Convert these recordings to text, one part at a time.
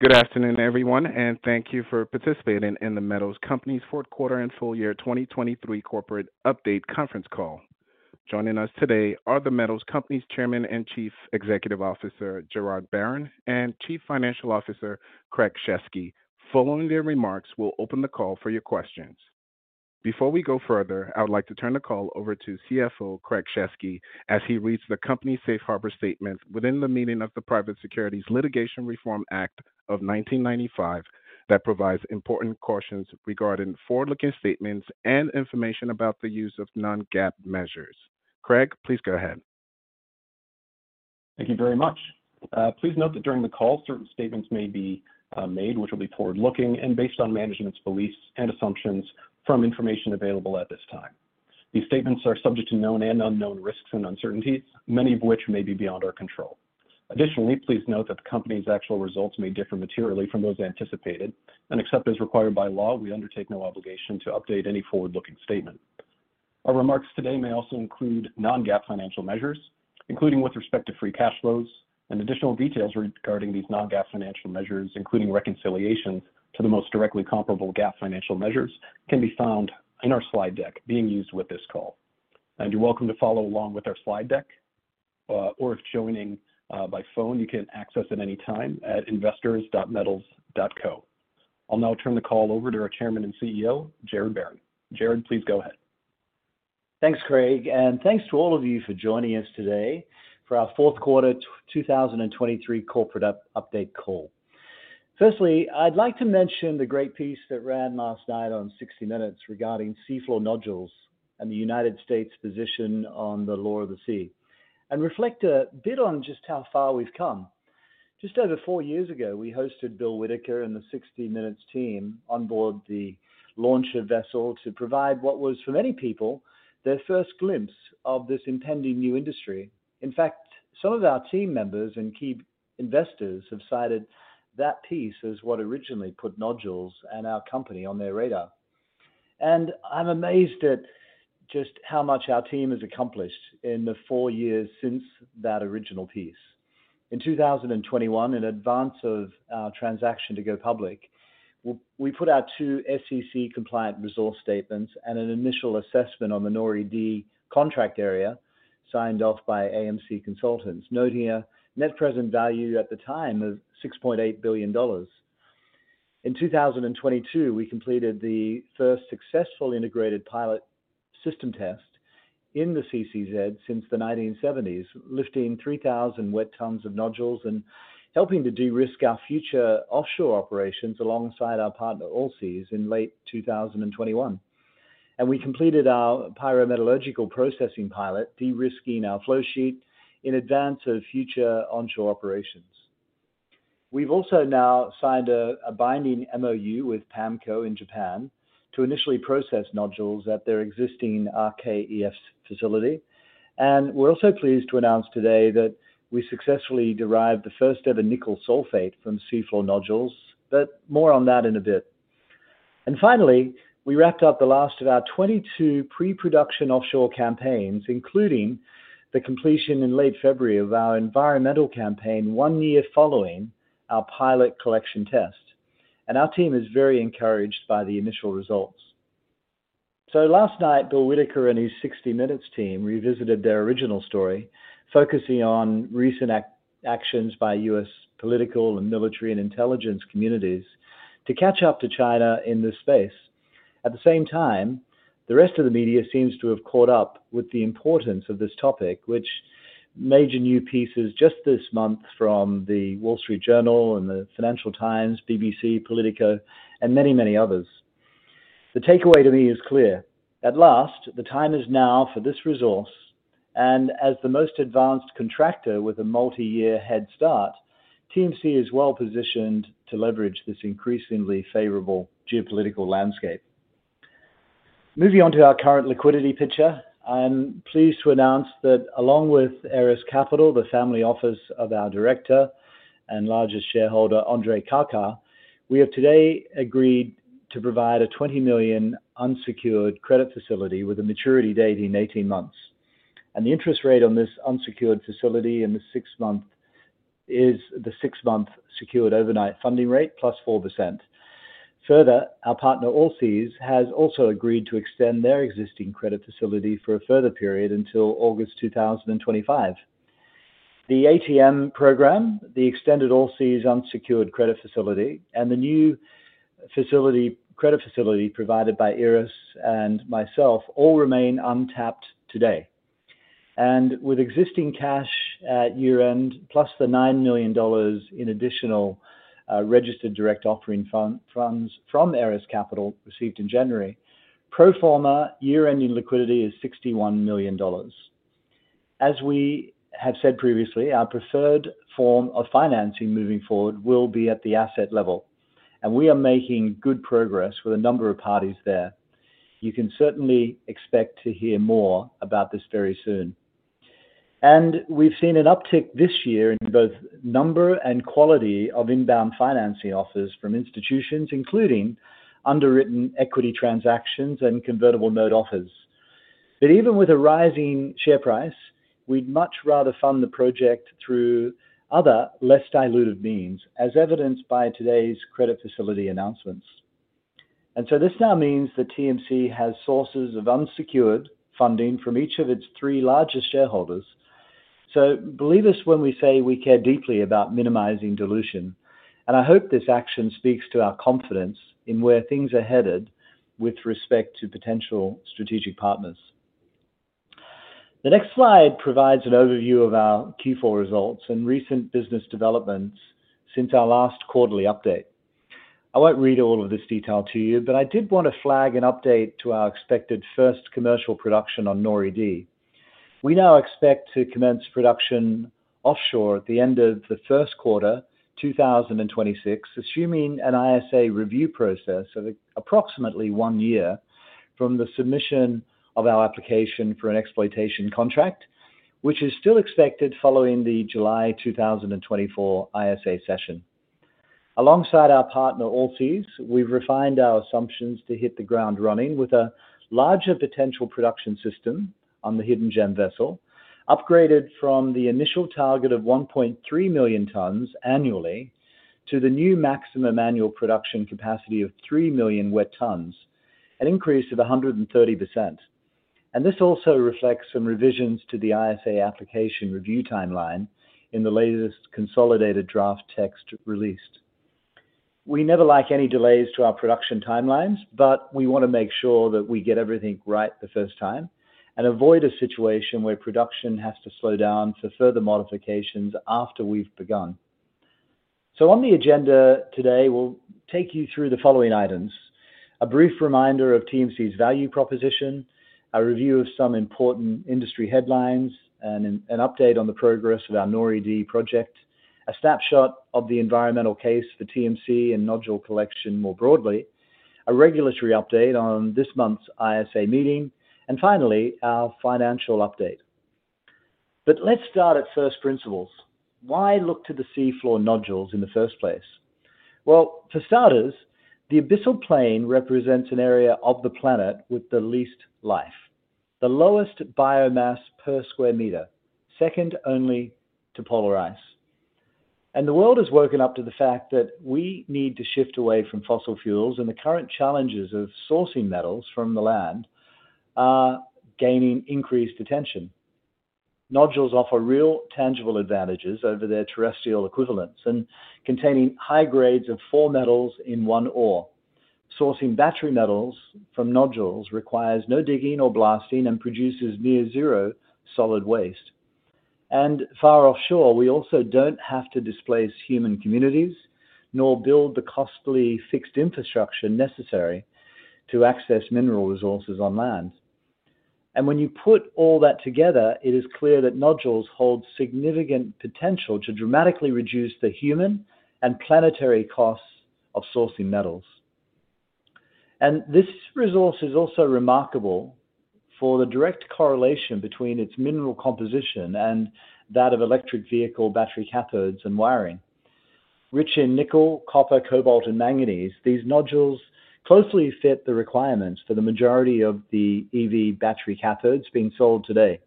Good afternoon, everyone, and thank you for participating in The Metals Company's fourth quarter and full year 2023 corporate update conference call. Joining us today are The Metals Company's Chairman and Chief Executive Officer, Gerard Barron, and Chief Financial Officer, Craig Sheskey. Following their remarks, we'll open the call for your questions. Before we go further, I would like to turn the call over to CFO, Craig Sheskey, as he reads the company's safe harbor statement within the meaning of the Private Securities Litigation Reform Act of 1995, that provides important cautions regarding forward-looking statements and information about the use of non-GAAP measures. Craig, please go ahead. Thank you very much. Please note that during the call, certain statements may be, made, which will be forward-looking and based on management's beliefs and assumptions from information available at this time. These statements are subject to known and unknown risks and uncertainties, many of which may be beyond our control. Additionally, please note that the company's actual results may differ materially from those anticipated, and except as required by law, we undertake no obligation to update any forward-looking statement. Our remarks today may also include non-GAAP financial measures, including with respect to free cash flows. Additional details regarding these non-GAAP financial measures, including reconciliations to the most directly comparable GAAP financial measures, can be found in our slide deck being used with this call. You're welcome to follow along with our slide deck, or if joining by phone, you can access it anytime at investors.metals.co. I'll now turn the call over to our chairman and CEO, Gerard Barron. Gerard, please go ahead. Thanks, Craig, and thanks to all of you for joining us today for our fourth quarter 2023 corporate update call. Firstly, I'd like to mention the great piece that ran last night on 60 Minutess regarding seafloor nodules and the United States' position on the Law of the Sea, and reflect a bit on just how far we've come. Just over four years ago, we hosted Bill Whitaker and the 60 Minutes team on board the launcher vessel to provide what was, for many people, their first glimpse of this impending new industry. In fact, some of our team members and key investors have cited that piece as what originally put nodules and our company on their radar. I'm amazed at just how much our team has accomplished in the four years since that original piece. In 2021, in advance of our transaction to go public, we put out two SEC-compliant resource statements and an initial assessment on the NORI-D contract area, signed off by AMC Consultants, noting a net present value at the time of $6.8 billion. In 2022, we completed the first successful integrated pilot system test in the CCZ since the 1970s, lifting 3,000 wet tons of nodules and helping to de-risk our future offshore operations alongside our partner, Allseas, in late 2021. And we completed our pyrometallurgical processing pilot, de-risking our flow sheet in advance of future onshore operations. We've also now signed a binding MOU with PAMCO in Japan to initially process nodules at their existing RKEF facility. And we're also pleased to announce today that we successfully derived the first-ever nickel sulfate from seafloor nodules, but more on that in a bit. And finally, we wrapped up the last of our 22 pre-production offshore campaigns, including the completion in late February of our environmental campaign, one year following our pilot collection test. And our team is very encouraged by the initial results. So last night, Bill Whitaker and his 60 Minutes team revisited their original story, focusing on recent actions by U.S. political and military and intelligence communities to catch up to China in this space. At the same time, the rest of the media seems to have caught up with the importance of this topic, which major new pieces just this month from The Wall Street Journal and the Financial Times, BBC, Politico, and many, many others. The takeaway to me is clear: At last, the time is now for this resource, and as the most advanced contractor with a multi-year head start, TMC is well-positioned to leverage this increasingly favorable geopolitical landscape. Moving on to our current liquidity picture, I'm pleased to announce that along with ERAS Capital, the family office of our director and largest shareholder, Andrei Karkar, we have today agreed to provide a $20 million unsecured credit facility with a maturity date in 18 months. And the interest rate on this unsecured facility in the 6-month is the 6-month secured overnight funding rate +4%. Further, our partner, Allseas, has also agreed to extend their existing credit facility for a further period until August 2025. The ATM program, the extended Allseas unsecured credit facility, and the new facility, credit facility provided by ERAS and myself all remain untapped today. And with existing cash at year-end, plus the $9 million in additional registered direct offering funds from ERAS Capital received in January, pro forma year-ending liquidity is $61 million. As we have said previously, our preferred form of financing moving forward will be at the asset level, and we are making good progress with a number of parties there. You can certainly expect to hear more about this very soon. And we've seen an uptick this year in both number and quality of inbound financing offers from institutions, including underwritten equity transactions and convertible note offers. But even with a rising share price, we'd much rather fund the project through other less diluted means, as evidenced by today's credit facility announcements. This now means that TMC has sources of unsecured funding from each of its three largest shareholders. Believe us when we say we care deeply about minimizing dilution, and I hope this action speaks to our confidence in where things are headed with respect to potential strategic partners. The next slide provides an overview of our Q4 results and recent business developments since our last quarterly update. I won't read all of this detail to you, but I did want to flag an update to our expected first commercial production on NORI-D. We now expect to commence production offshore at the end of the first quarter 2026, assuming an ISA review process of approximately one year from the submission of our application for an exploitation contract, which is still expected following the July 2024 ISA session. Alongside our partner, Allseas, we've refined our assumptions to hit the ground running with a larger potential production system on the Hidden Gem vessel, upgraded from the initial target of 1.3 million tons annually to the new maximum annual production capacity of 3 million wet tons, an increase of 130%. This also reflects some revisions to the ISA application review timeline in the latest consolidated draft text released. We never like any delays to our production timelines, but we wanna make sure that we get everything right the first time and avoid a situation where production has to slow down for further modifications after we've begun. So on the agenda today, we'll take you through the following items: A brief reminder of TMC's value proposition, a review of some important industry headlines and an update on the progress of our NORI-D project, a snapshot of the environmental case for TMC and nodule collection more broadly, a regulatory update on this month's ISA meeting, and finally, our financial update. But let's start at first principles. Why look to the seafloor nodules in the first place? Well, for starters, the abyssal plain represents an area of the planet with the least life, the lowest biomass per square meter, second only to polar ice. And the world has woken up to the fact that we need to shift away from fossil fuels, and the current challenges of sourcing metals from the land are gaining increased attention. Nodules offer real, tangible advantages over their terrestrial equivalents and containing high grades of four metals in one ore. Sourcing battery metals from nodules requires no digging or blasting and produces near zero solid waste. And far offshore, we also don't have to displace human communities, nor build the costly fixed infrastructure necessary to access mineral resources on land. And when you put all that together, it is clear that nodules hold significant potential to dramatically reduce the human and planetary costs of sourcing metals. And this resource is also remarkable for the direct correlation between its mineral composition and that of electric vehicle battery cathodes and wiring. Rich in nickel, copper, cobalt, and manganese, these nodules closely fit the requirements for the majority of the EV battery cathodes being sold today.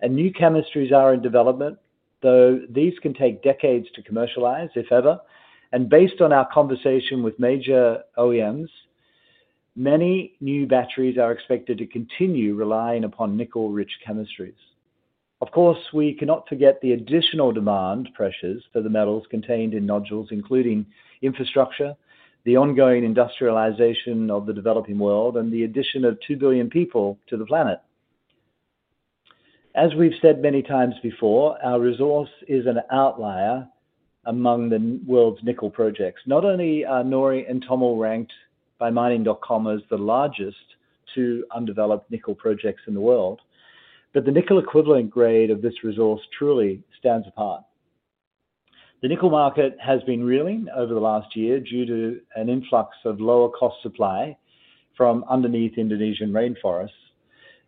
And new chemistries are in development, though these can take decades to commercialize, if ever. Based on our conversation with major OEMs, many new batteries are expected to continue relying upon nickel-rich chemistries. Of course, we cannot forget the additional demand pressures for the metals contained in nodules, including infrastructure, the ongoing industrialization of the developing world, and the addition of two billion people to the planet. As we've said many times before, our resource is an outlier among the world's nickel projects. Not only are NORI and TOML ranked by Mining.com as the largest two undeveloped nickel projects in the world, but the nickel equivalent grade of this resource truly stands apart. The nickel market has been reeling over the last year due to an influx of lower-cost supply from underneath Indonesian rainforests.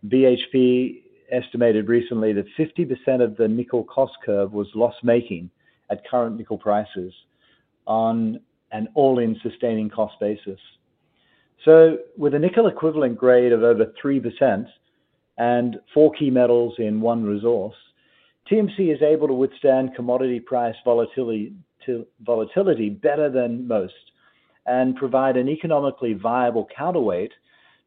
BHP estimated recently that 50% of the nickel cost curve was loss-making at current nickel prices on an all-in sustaining cost basis. So with a nickel equivalent grade of over 3% and four key metals in one resource, TMC is able to withstand commodity price volatility better than most and provide an economically viable counterweight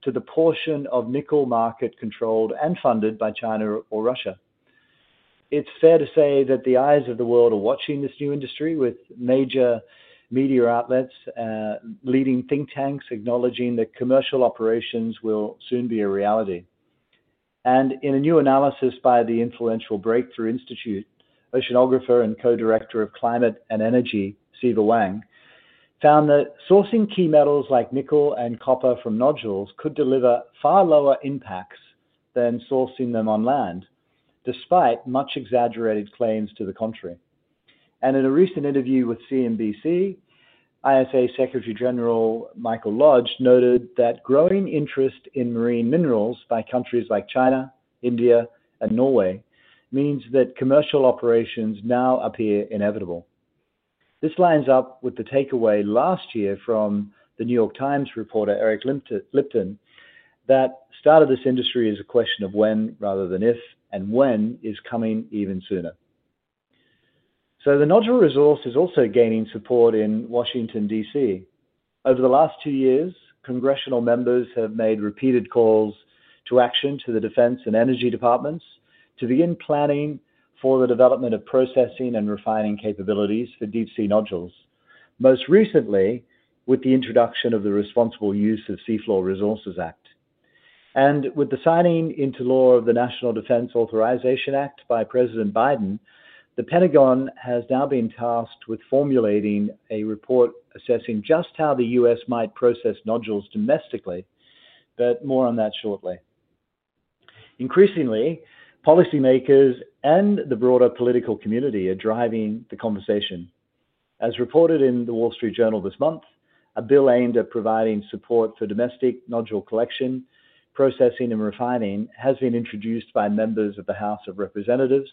to the portion of nickel market controlled and funded by China or Russia. It's fair to say that the eyes of the world are watching this new industry with major media outlets, leading think tanks, acknowledging that commercial operations will soon be a reality. And in a new analysis by the influential Breakthrough Institute, oceanographer and co-director of Climate and Energy, Seaver Wang, found that sourcing key metals like nickel and copper from nodules could deliver far lower impacts than sourcing them on land, despite much exaggerated claims to the contrary. In a recent interview with CNBC, ISA Secretary General Michael Lodge noted that growing interest in marine minerals by countries like China, India, and Norway means that commercial operations now appear inevitable. This lines up with the takeaway last year from The New York Times reporter Eric Lipton, Lipton, that start of this industry is a question of when rather than if, and when is coming even sooner. The nodule resource is also gaining support in Washington, D.C. Over the last two years, congressional members have made repeated calls to action to the defense and energy departments to begin planning for the development of processing and refining capabilities for deep-sea nodules. Most recently, with the introduction of the Responsible Use of Seafloor Resources Act, and with the signing into law of the National Defense Authorization Act by President Biden, the Pentagon has now been tasked with formulating a report assessing just how the U.S. might process nodules domestically, but more on that shortly. Increasingly, policymakers and the broader political community are driving the conversation. As reported in The Wall Street Journal this month, a bill aimed at providing support for domestic nodule collection, processing, and refining has been introduced by members of the House of Representatives,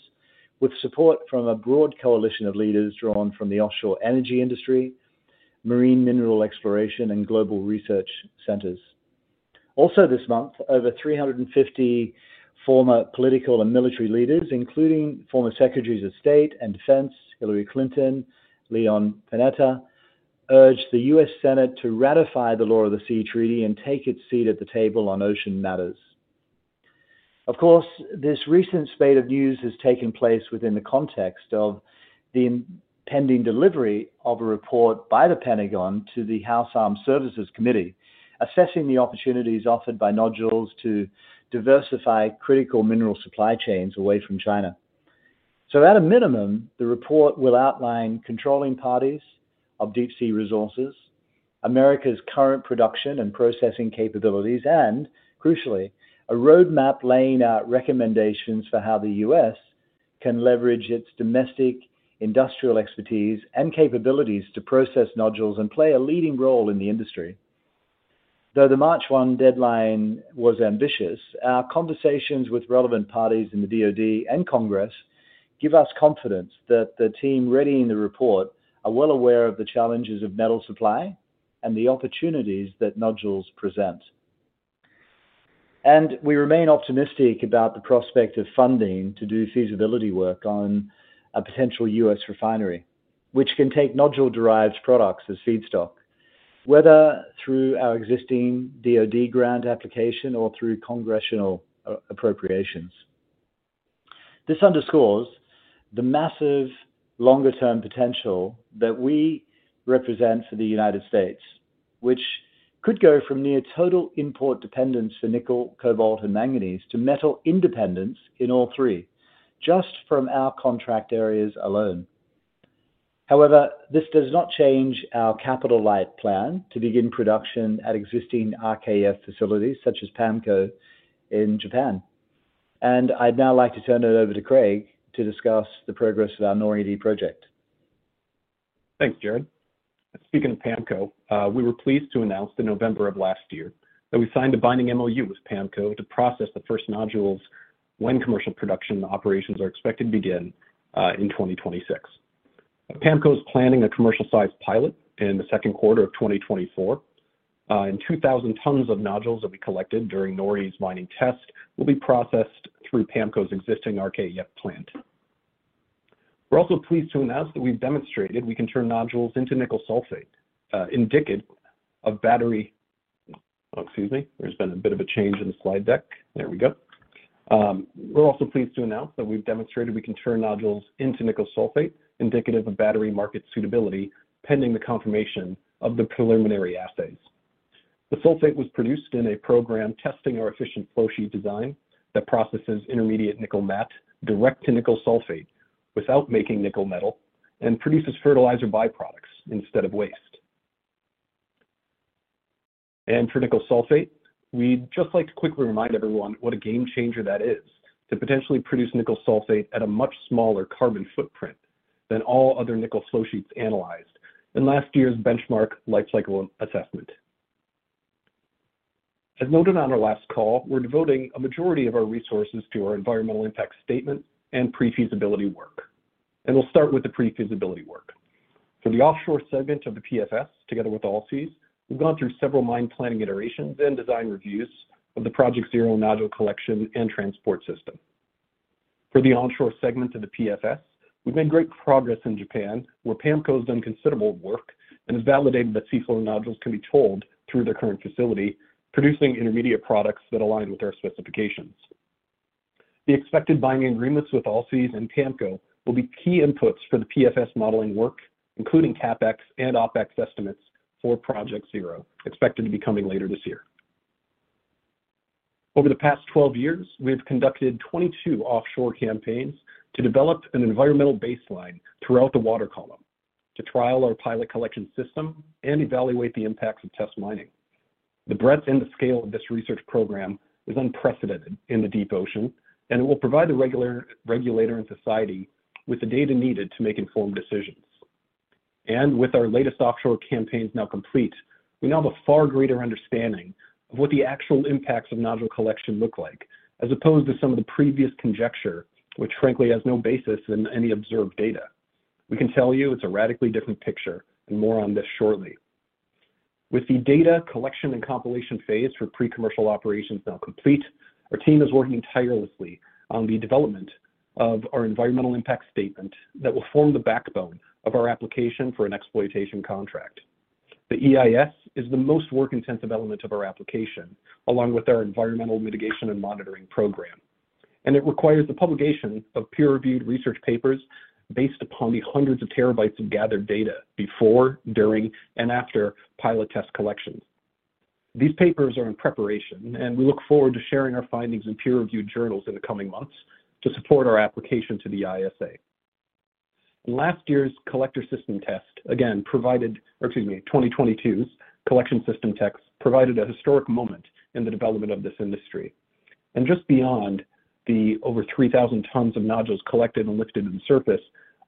with support from a broad coalition of leaders drawn from the offshore energy industry, marine mineral exploration, and global research centers. Also this month, over 350 former political and military leaders, including former Secretaries of State and Defense, Hillary Clinton, Leon Panetta, urged the U.S. Senate to ratify the Law of the Sea Treaty and take its seat at the table on ocean matters. Of course, this recent spate of news has taken place within the context of the impending delivery of a report by the Pentagon to the House Armed Services Committee, assessing the opportunities offered by nodules to diversify critical mineral supply chains away from China. So at a minimum, the report will outline controlling parties of deep-sea resources, America's current production and processing capabilities, and crucially, a roadmap laying out recommendations for how the U.S. can leverage its domestic industrial expertise and capabilities to process nodules and play a leading role in the industry. Though the March 1 deadline was ambitious, our conversations with relevant parties in the DoD and Congress give us confidence that the team readying the report are well aware of the challenges of metal supply and the opportunities that nodules present. And we remain optimistic about the prospect of funding to do feasibility work on a potential U.S. refinery, which can take nodule-derived products as feedstock, whether through our existing DoD grant application or through congressional appropriations. This underscores the massive longer-term potential that we represent for the United States, which could go from near total import dependence for nickel, cobalt, and manganese to metal independence in all three, just from our contract areas alone. However, this does not change our capital-light plan to begin production at existing RKEF facilities such as PAMCO in Japan. I'd now like to turn it over to Craig to discuss the progress of our NORI-D project. Thanks, Gerard. Speaking of PAMCO, we were pleased to announce in November of last year that we signed a binding MOU with PAMCO to process the first nodules when commercial production operations are expected to begin in 2026. PAMCO is planning a commercial-sized pilot in the second quarter of 2024. And 2,000 tons of nodules will be collected during NORI's mining test, will be processed through PAMCO's existing RKEF plant. We're also pleased to announce that we've demonstrated we can turn nodules into nickel sulfate, indicative of battery market suitability, pending the confirmation of the preliminary assays. The sulfate was produced in a program testing our efficient flow sheet design that processes intermediate nickel matte direct to nickel sulfate without making nickel metal, and produces fertilizer byproducts instead of waste. And for nickel sulfate, we'd just like to quickly remind everyone what a game changer that is, to potentially produce nickel sulfate at a much smaller carbon footprint than all other nickel flow sheets analyzed in last year's benchmark lifecycle assessment. As noted on our last call, we're devoting a majority of our resources to our Environmental Impact Statement and pre-feasibility work. And we'll start with the pre-feasibility work. For the offshore segment of the PFS, together with Allseas, we've gone through several mine planning iterations and design reviews of the Project Zero nodule collection and transport system. For the onshore segment of the PFS, we've made great progress in Japan, where PAMCO has done considerable work and has validated that seafloor nodules can be towed through their current facility, producing intermediate products that align with our specifications. The expected binding agreements with Allseas and PAMCO will be key inputs for the PFS modeling work, including CapEx and OpEx estimates for Project Zero, expected to be coming later this year. Over the past 12 years, we've conducted 22 offshore campaigns to develop an environmental baseline throughout the water column, to trial our pilot collection system and evaluate the impacts of test mining. The breadth and the scale of this research program is unprecedented in the deep ocean, and it will provide the regulator and society with the data needed to make informed decisions. And with our latest offshore campaigns now complete-... We now have a far greater understanding of what the actual impacts of nodule collection look like, as opposed to some of the previous conjecture, which frankly, has no basis in any observed data. We can tell you it's a radically different picture, and more on this shortly. With the data collection and compilation phase for pre-commercial operations now complete, our team is working tirelessly on the development of our environmental impact statement that will form the backbone of our application for an exploitation contract. The EIS is the most work-intensive element of our application, along with our environmental mitigation and monitoring program, and it requires the publication of peer-reviewed research papers based upon the hundreds of terabytes of gathered data before, during, and after pilot test collections. These papers are in preparation, and we look forward to sharing our findings in peer-reviewed journals in the coming months to support our application to the ISA. Last year's collector system test again provided, or excuse me, 2022's collection system test provided a historic moment in the development of this industry. Just beyond the over 3,000 tons of nodules collected and lifted to the surface,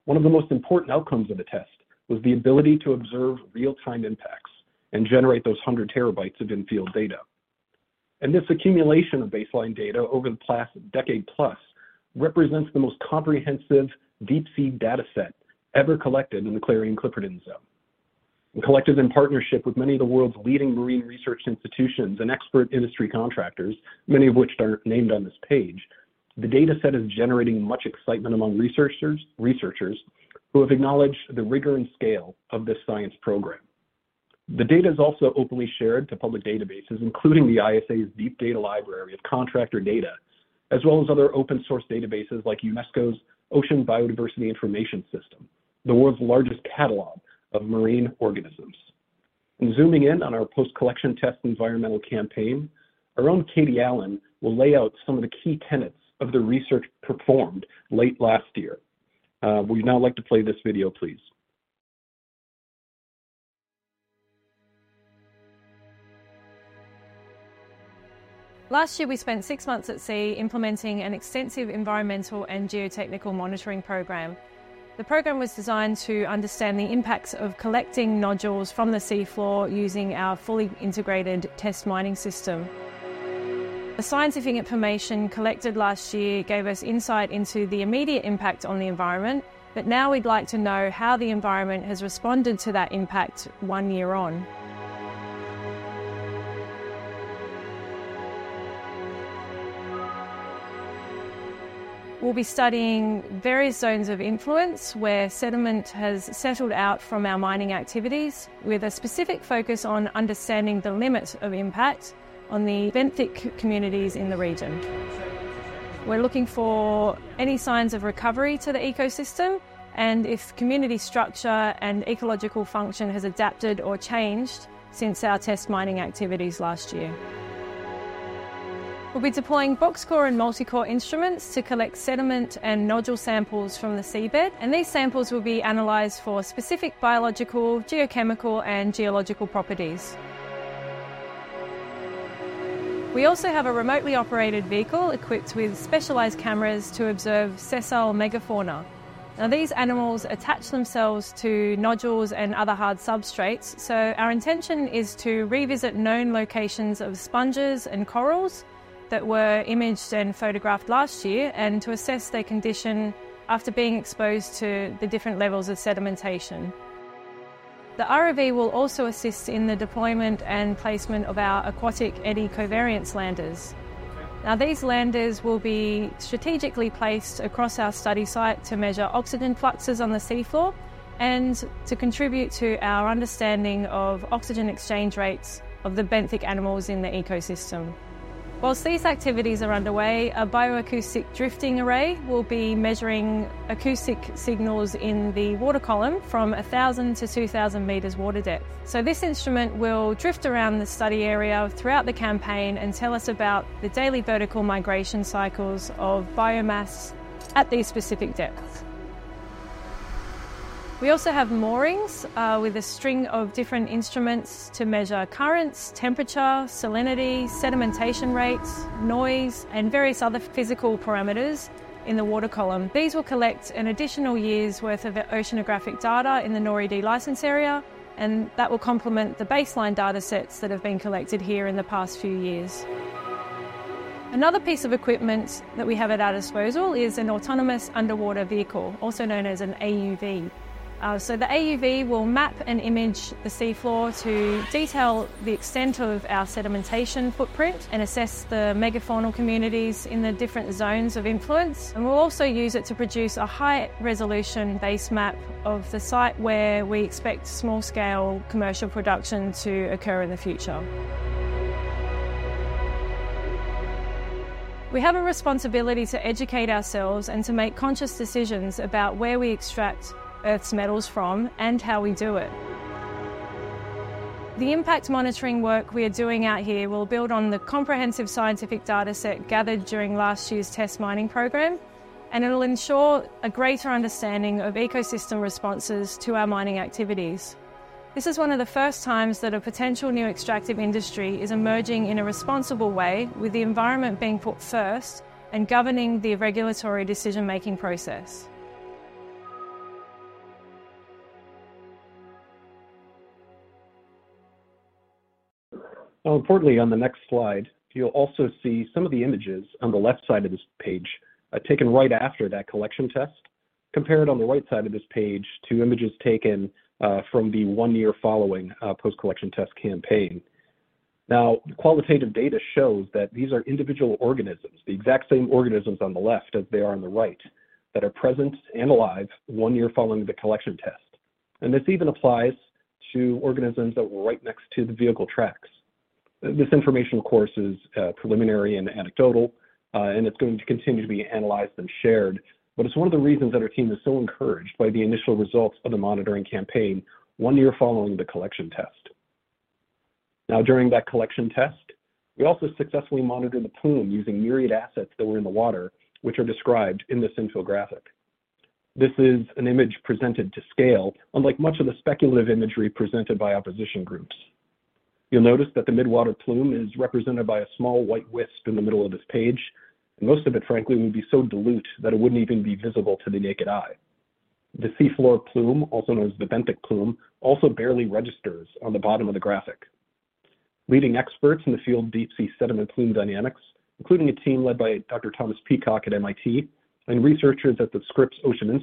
one of the most important outcomes of the test was the ability to observe real-time impacts and generate those 100 TB of in-field data. This accumulation of baseline data over the past decade plus represents the most comprehensive deep-sea data set ever collected in the Clarion-Clipperton Zone. Collected in partnership with many of the world's leading marine research institutions and expert industry contractors, many of which are named on this page, the data set is generating much excitement among researchers, researchers who have acknowledged the rigor and scale of this science program. The data is also openly shared to public databases, including the ISA's DeepData, as well as other open-source databases like UNESCO's Ocean Biodiversity Information System, the world's largest catalog of marine organisms. Zooming in on our post-collection test environmental campaign, our own Katie Allen will lay out some of the key tenets of the research performed late last year. We'd now like to play this video, please. Last year, we spent six months at sea implementing an extensive environmental and geotechnical monitoring program. The program was designed to understand the impacts of collecting nodules from the sea floor using our fully integrated test mining system. The scientific information collected last year gave us insight into the immediate impact on the environment, but now we'd like to know how the environment has responded to that impact one year on. We'll be studying various zones of influence, where sediment has settled out from our mining activities, with a specific focus on understanding the limits of impact on the benthic communities in the region. We're looking for any signs of recovery to the ecosystem and if community structure and ecological function has adapted or changed since our test mining activities last year. We'll be deploying box core and multi-core instruments to collect sediment and nodule samples from the seabed, and these samples will be analyzed for specific biological, geochemical, and geological properties. We also have a remotely operated vehicle equipped with specialized cameras to observe sessile megafauna. Now, these animals attach themselves to nodules and other hard substrates, so our intention is to revisit known locations of sponges and corals that were imaged and photographed last year, and to assess their condition after being exposed to the different levels of sedimentation. The ROV will also assist in the deployment and placement of our aquatic eddy covariance landers. Now, these landers will be strategically placed across our study site to measure oxygen fluxes on the sea floor and to contribute to our understanding of oxygen exchange rates of the benthic animals in the ecosystem. While these activities are underway, a bioacoustic drifting array will be measuring acoustic signals in the water column from 1,000-2,000 meters water depth. So this instrument will drift around the study area throughout the campaign and tell us about the daily vertical migration cycles of biomass at these specific depths. We also have moorings with a string of different instruments to measure currents, temperature, salinity, sedimentation rates, noise, and various other physical parameters in the water column. These will collect an additional year's worth of oceanographic data in the NORI license area, and that will complement the baseline data sets that have been collected here in the past few years. Another piece of equipment that we have at our disposal is an autonomous underwater vehicle, also known as an AUV. So the AUV will map and image the sea floor to detail the extent of our sedimentation footprint and assess the megafaunal communities in the different zones of influence. We'll also use it to produce a high-resolution base map of the site where we expect small-scale commercial production to occur in the future. We have a responsibility to educate ourselves and to make conscious decisions about where we extract Earth's metals from and how we do it. The impact monitoring work we are doing out here will build on the comprehensive scientific data set gathered during last year's test mining program, and it'll ensure a greater understanding of ecosystem responses to our mining activities. This is one of the first times that a potential new extractive industry is emerging in a responsible way, with the environment being put first and governing the regulatory decision-making process. Now, importantly, on the next slide, you'll also see some of the images on the left side of this page, taken right after that collection test. Compare it on the right side of this page to images taken from the one year following post-collection test campaign. Now, the qualitative data shows that these are individual organisms, the exact same organisms on the left as they are on the right, that are present and alive one year following the collection test. And this even applies to organisms that were right next to the vehicle tracks. This information, of course, is preliminary and anecdotal, and it's going to continue to be analyzed and shared. But it's one of the reasons that our team is so encouraged by the initial results of the monitoring campaign one year following the collection test. Now, during that collection test, we also successfully monitored the plume using myriad assets that were in the water, which are described in this infographic. This is an image presented to scale, unlike much of the speculative imagery presented by opposition groups. You'll notice that the mid-water plume is represented by a small white wisp in the middle of this page. Most of it, frankly, would be so dilute that it wouldn't even be visible to the naked eye. The seafloor plume, also known as the benthic plume, also barely registers on the bottom of the graphic. Leading experts in the field of deep sea sediment plume dynamics, including a team led by Dr. Thomas Peacock at MIT and researchers at the Scripps Institution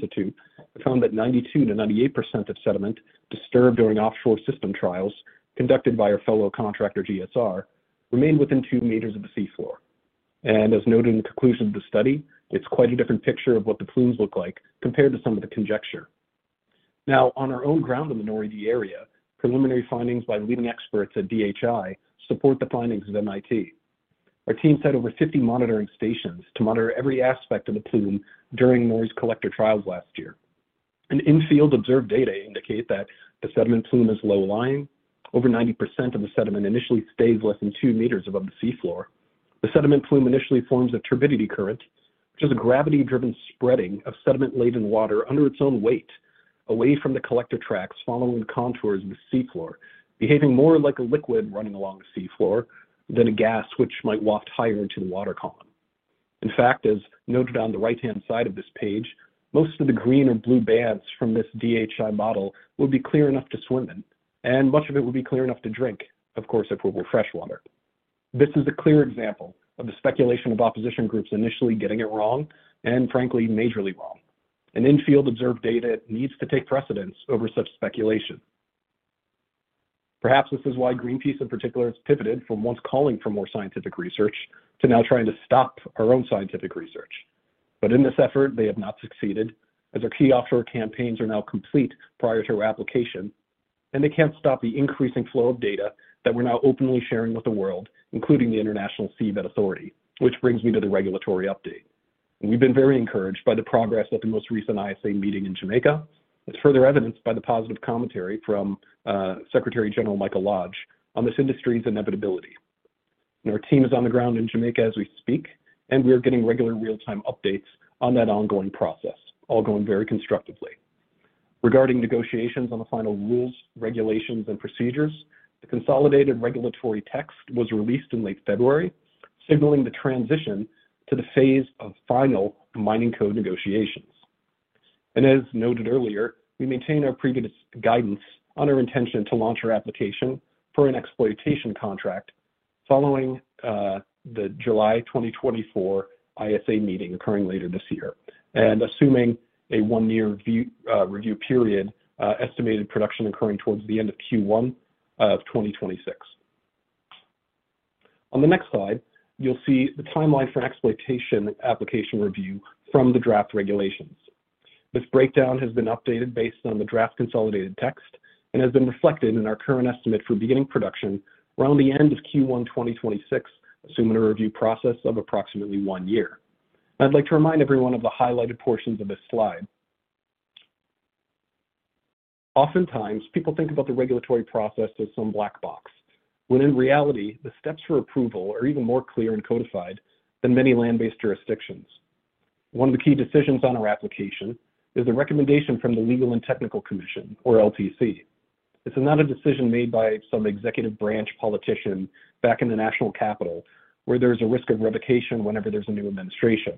of Oceanography found that 92%-98% of sediment disturbed during offshore system trials conducted by our fellow contractor, GSR, remained within 2 meters of the seafloor. As noted in the conclusion of the study, it's quite a different picture of what the plumes look like compared to some of the conjecture. Now, on our own ground in the NORI-D area, preliminary findings by leading experts at DHI support the findings of MIT. Our team set over 50 monitoring stations to monitor every aspect of the plume during NORI's collector trials last year. In-field observed data indicate that the sediment plume is low-lying. Over 90% of the sediment initially stays less than 2 meters above the seafloor. The sediment plume initially forms a turbidity current, which is a gravity-driven spreading of sediment-laden water under its own weight, away from the collector tracks, following the contours of the seafloor, behaving more like a liquid running along the seafloor than a gas, which might waft higher into the water column. In fact, as noted on the right-hand side of this page, most of the green or blue bands from this DHI model would be clear enough to swim in, and much of it would be clear enough to drink. Of course, if it were freshwater. This is a clear example of the speculation of opposition groups initially getting it wrong and frankly, majorly wrong. In-field observed data needs to take precedence over such speculation. Perhaps this is why Greenpeace in particular, has pivoted from once calling for more scientific research to now trying to stop our own scientific research. But in this effort, they have not succeeded, as our key offshore campaigns are now complete prior to our application, and they can't stop the increasing flow of data that we're now openly sharing with the world, including the International Seabed Authority, which brings me to the regulatory update. We've been very encouraged by the progress at the most recent ISA meeting in Jamaica, as further evidenced by the positive commentary from Secretary General Michael Lodge on this industry's inevitability. Our team is on the ground in Jamaica as we speak, and we are getting regular real-time updates on that ongoing process, all going very constructively. Regarding negotiations on the final rules, regulations, and procedures, the consolidated regulatory text was released in late February, signaling the transition to the phase of final mining code negotiations. As noted earlier, we maintain our previous guidance on our intention to launch our application for an exploitation contract following the July 2024 ISA meeting occurring later this year, and assuming a 1-year view, review period, estimated production occurring towards the end of Q1 of 2026. On the next slide, you'll see the timeline for exploitation application review from the draft regulations. This breakdown has been updated based on the draft consolidated text and has been reflected in our current estimate for beginning production around the end of Q1 2026, assuming a review process of approximately 1 year. I'd like to remind everyone of the highlighted portions of this slide. Oftentimes, people think about the regulatory process as some black box, when in reality, the steps for approval are even more clear and codified than many land-based jurisdictions. One of the key decisions on our application is a recommendation from the Legal and Technical Commission, or LTC. It's not a decision made by some executive branch politician back in the national capital, where there's a risk of revocation whenever there's a new administration.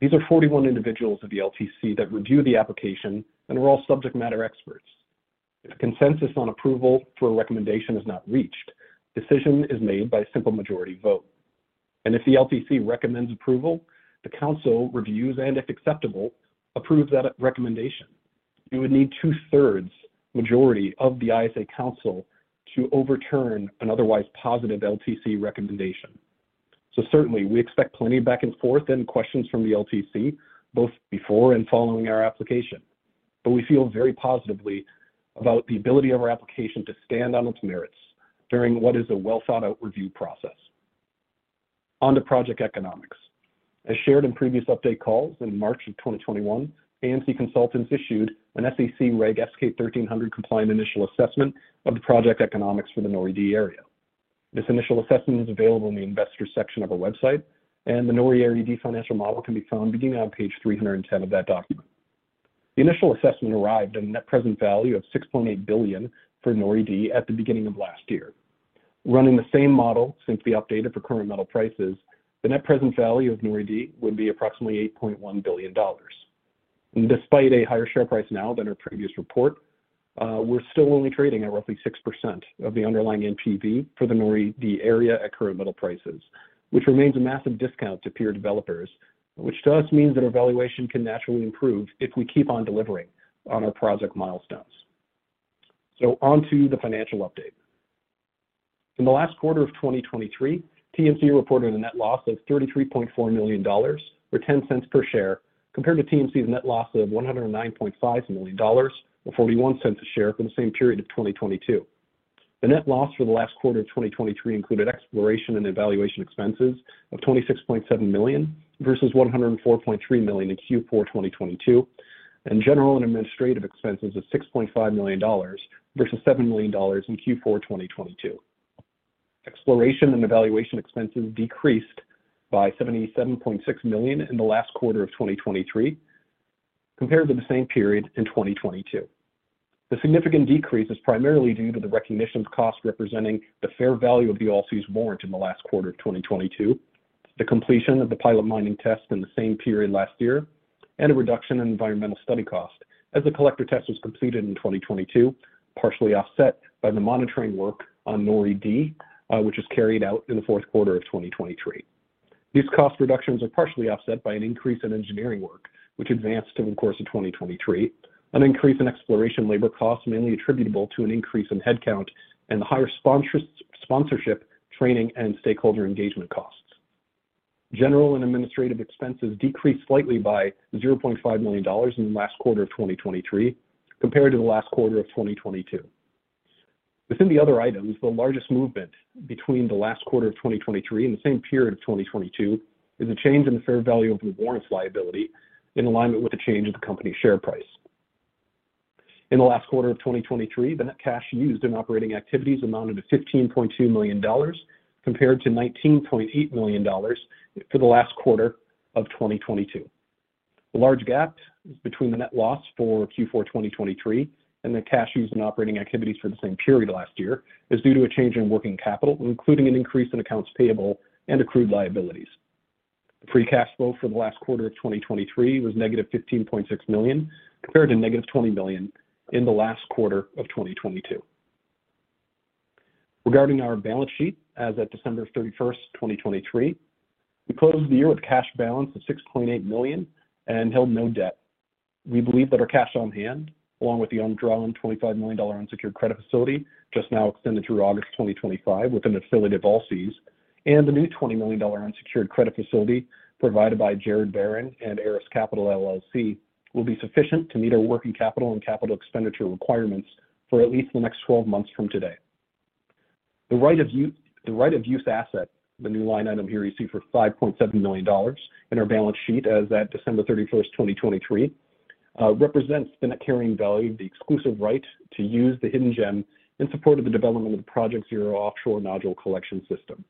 These are 41 individuals of the LTC that review the application and are all subject matter experts. If consensus on approval for a recommendation is not reached, decision is made by a simple majority vote, and if the LTC recommends approval, the council reviews and if acceptable, approves that recommendation. You would need two-thirds majority of the ISA council to overturn an otherwise positive LTC recommendation. So certainly we expect plenty of back and forth and questions from the LTC, both before and following our application. But we feel very positively about the ability of our application to stand on its merits during what is a well-thought-out review process. On to project economics. As shared in previous update calls, in March 2021, AMC Consultants issued an SEC Reg. S-K 1300 compliant initial assessment of the project economics for the NORI-D area. This initial assessment is available in the investor section of our website, and the NORI-D financial model can be found beginning on page 310 of that document. The initial assessment arrived at a Net Present Value of $6.8 billion for NORI-D at the beginning of last year.... Running the same model since the update for current metal prices, the net present value of NORI-D would be approximately $8.1 billion. And despite a higher share price now than our previous report, we're still only trading at roughly 6% of the underlying NPV for the NORI-D area at current metal prices, which remains a massive discount to peer developers, which to us means that our valuation can naturally improve if we keep on delivering on our project milestones. So on to the financial update. In the last quarter of 2023, TMC reported a net loss of $33.4 million, or $0.10 per share, compared to TMC's net loss of $109.5 million, or $0.41 per share, for the same period of 2022. The net loss for the last quarter of 2023 included exploration and evaluation expenses of $26.7 million versus $104.3 million in Q4 2022, and general and administrative expenses of $6.5 million versus $7 million in Q4 2022. Exploration and evaluation expenses decreased by $77.6 million in the last quarter of 2023 compared to the same period in 2022. The significant decrease is primarily due to the recognition of costs representing the fair value of the Allseas warrant in the last quarter of 2022, the completion of the pilot mining test in the same period last year, and a reduction in environmental study cost as the collector test was completed in 2022, partially offset by the monitoring work on NORI-D, which is carried out in the fourth quarter of 2023. These cost reductions are partially offset by an increase in engineering work, which advanced over the course of 2023. An increase in exploration labor costs, mainly attributable to an increase in headcount and higher sponsorship, training, and stakeholder engagement costs. General and administrative expenses decreased slightly by $0.5 million in the last quarter of 2023 compared to the last quarter of 2022. Within the other items, the largest movement between the last quarter of 2023 and the same period of 2022 is a change in the fair value of the warrants liability in alignment with the change in the company's share price. In the last quarter of 2023, the net cash used in operating activities amounted to $15.2 million, compared to $19.8 million for the last quarter of 2022. The large gap between the net loss for Q4 2023 and the cash used in operating activities for the same period last year is due to a change in working capital, including an increase in accounts payable and accrued liabilities. The free cash flow for the last quarter of 2023 was negative $15.6 million, compared to negative $20 million in the last quarter of 2022. Regarding our balance sheet, as at December 31, 2023, we closed the year with cash balance of $6.8 million and held no debt. We believe that our cash on hand, along with the undrawn $25 million unsecured credit facility, just now extended through August 2025 with an affiliate of Allseas, and the new $20 million unsecured credit facility provided by Gerard Barron and ERAS Capital LLC, will be sufficient to meet our working capital and capital expenditure requirements for at least the next 12 months from today. The right of use, the right of use asset, the new line item here you see for $5.7 million in our balance sheet as at December 31, 2023, represents the net carrying value of the exclusive right to use the Hidden Gem in support of the development of Project Zero offshore nodule collection system.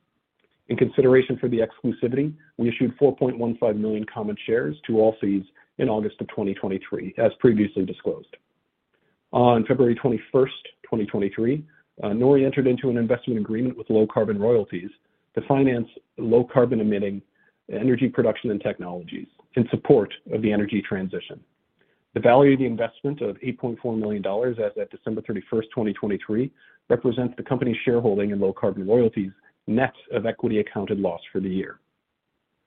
In consideration for the exclusivity, we issued 4.15 million common shares to Allseas in August 2023, as previously disclosed. On February 21, 2023, NORI entered into an investment agreement with Low Carbon Royalties to finance low carbon emitting energy production and technologies in support of the energy transition. The value of the investment of $8.4 million as at December 31, 2023, represents the company's shareholding in Low Carbon Royalties, net of equity accounted loss for the year.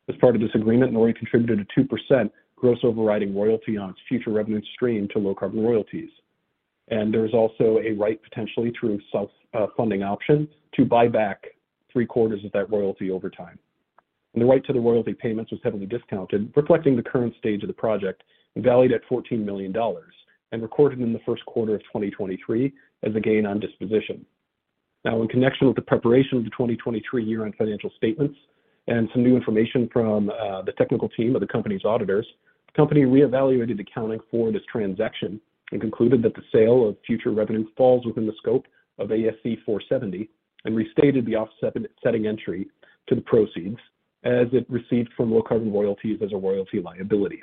As part of this agreement, NORI contributed a 2% gross overriding royalty on its future revenue stream to Low Carbon Royalties. There is also a right, potentially through a self-funding option, to buy back three quarters of that royalty over time. The right to the royalty payments was heavily discounted, reflecting the current stage of the project and valued at $14 million, and recorded in the first quarter of 2023 as a gain on disposition. Now, in connection with the preparation of the 2023 year-end financial statements and some new information from the technical team of the company's auditors, the company reevaluated accounting for this transaction and concluded that the sale of future revenue falls within the scope of ASC 470, and restated the offsetting entry to the proceeds as it received from Low Carbon Royalties as a royalty liability.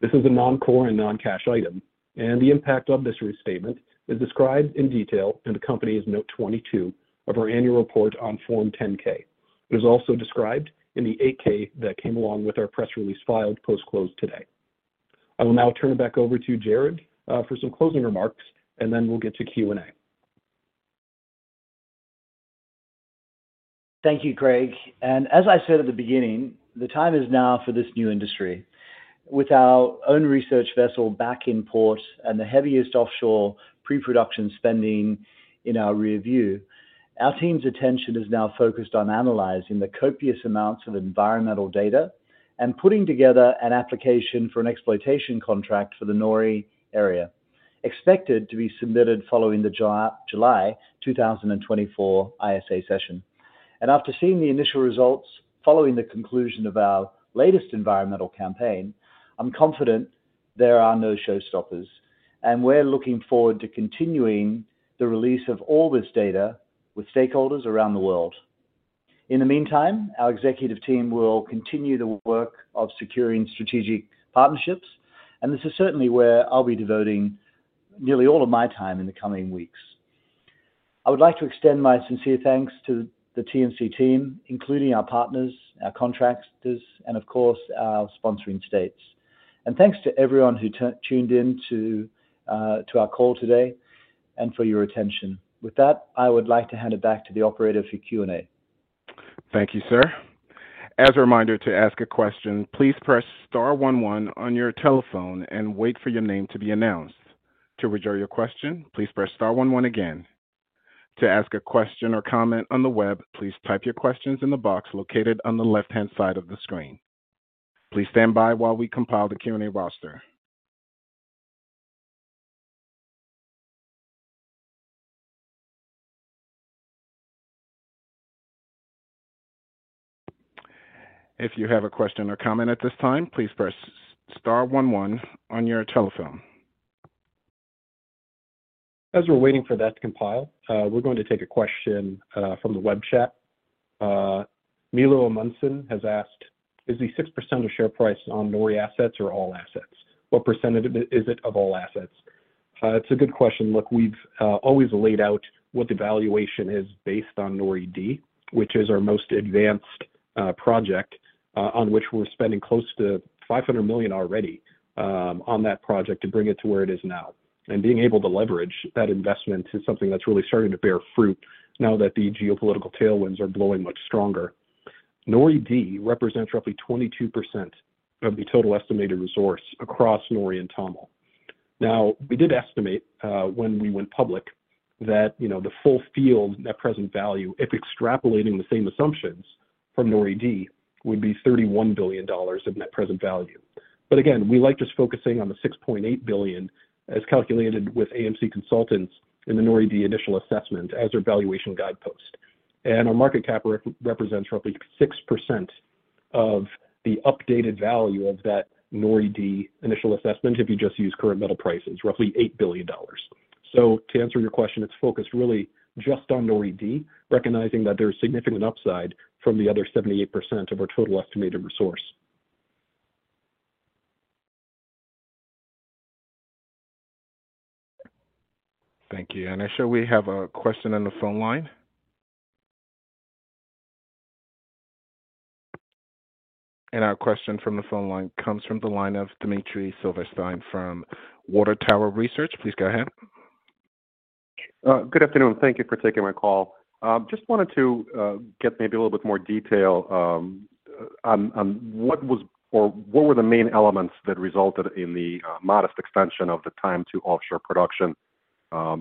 This is a non-core and non-cash item, and the impact of this restatement is described in detail in the company's Note 22 of our annual report on Form 10-K. It is also described in the 8-K that came along with our press release filed post-close today. I will now turn it back over to Gerard for some closing remarks, and then we'll get to Q&A. Thank you, Craig. And as I said at the beginning, the time is now for this new industry. With our own research vessel back in port and the heaviest offshore pre-production spending in our rear view, our team's attention is now focused on analyzing the copious amounts of environmental data and putting together an application for an exploitation contract for the NORI area, expected to be submitted following the July 2024 ISA session. And after seeing the initial results following the conclusion of our latest environmental campaign, I'm confident there are no showstoppers, and we're looking forward to continuing the release of all this data with stakeholders around the world. In the meantime, our executive team will continue the work of securing strategic partnerships, and this is certainly where I'll be devoting nearly all of my time in the coming weeks. I would like to extend my sincere thanks to the TMC team, including our partners, our contractors, and of course, our sponsoring states. Thanks to everyone who tuned in to our call today and for your attention. With that, I would like to hand it back to the operator for Q&A. Thank you, sir. As a reminder, to ask a question, please press star one one on your telephone and wait for your name to be announced. To withdraw your question, please press star one one again. To ask a question or comment on the web, please type your questions in the box located on the left-hand side of the screen. Please stand by while we compile the Q&A roster. If you have a question or comment at this time, please press star one one on your telephone. As we're waiting for that to compile, we're going to take a question from the web chat. Milo Amundsen has asked, "Is the 6% of share price on NORI assets or all assets? What percentage of it is it of all assets?" It's a good question. Look, we've always laid out what the valuation is based on NORI-D, which is our most advanced project on which we're spending close to $500 million already on that project to bring it to where it is now. Being able to leverage that investment is something that's really starting to bear fruit now that the geopolitical tailwinds are blowing much stronger. NORI-D represents roughly 22% of the total estimated resource across NORI and TOML. Now, we did estimate, when we went public, that, you know, the full field net present value, if extrapolating the same assumptions from NORI-D, would be $31 billion of net present value. But again, we like just focusing on the $6.8 billion, as calculated with AMC Consultants in the NORI-D initial assessment, as our valuation guidepost. And our market cap represents roughly 6% of the updated value of that NORI-D initial assessment, if you just use current metal prices, roughly $8 billion. So to answer your question, it's focused really just on NORI-D, recognizing that there's significant upside from the other 78% of our total estimated resource. Thank you. And I show we have a question on the phone line. And our question from the phone line comes from the line of Dmitry Silversteyn from Water Tower Research. Please go ahead. Good afternoon, and thank you for taking my call. Just wanted to get maybe a little bit more detail on what was or what were the main elements that resulted in the modest extension of the time to offshore production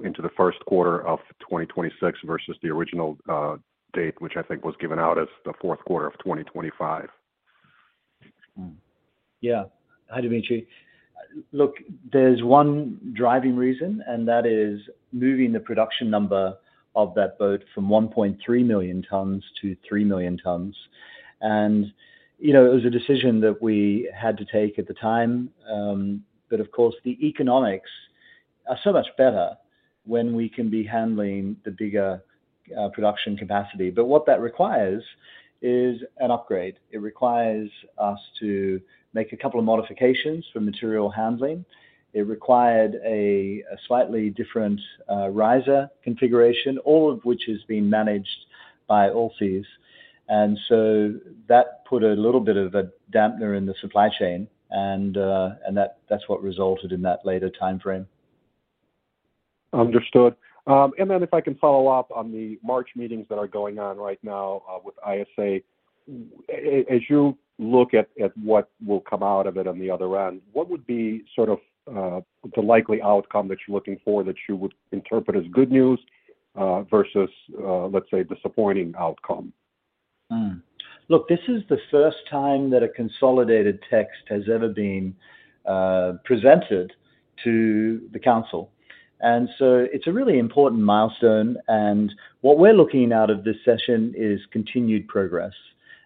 into the first quarter of 2026 versus the original date, which I think was given out as the fourth quarter of 2025? Hi, Dmitry. Look, there's one driving reason, and that is moving the production number of that boat from 1.3 million tons to 3 million tons. And, you know, it was a decision that we had to take at the time. But of course, the economics are so much better when we can be handling the bigger production capacity. But what that requires is an upgrade. It requires us to make a couple of modifications for material handling. It required a slightly different riser configuration, all of which is being managed by Allseas. And so that put a little bit of a dampener in the supply chain, and that, that's what resulted in that later timeframe. Understood. And then if I can follow up on the March meetings that are going on right now, with ISA. As you look at what will come out of it on the other end, what would be sort of the likely outcome that you're looking for, that you would interpret as good news, versus let's say a disappointing outcome? Look, this is the first time that a consolidated text has ever been presented to the council, and so it's a really important milestone, and what we're looking out of this session is continued progress,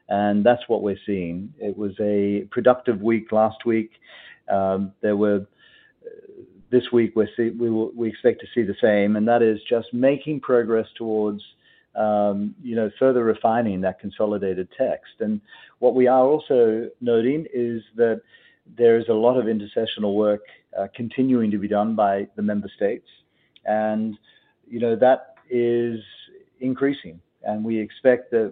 and that's what we're seeing. It was a productive week last week. This week, we expect to see the same, and that is just making progress towards, you know, further refining that consolidated text. And what we are also noting is that there is a lot of intersessional work continuing to be done by the member states, and, you know, that is increasing. And we expect that